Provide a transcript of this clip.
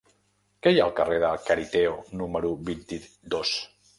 Què hi ha al carrer de Cariteo número vint-i-dos?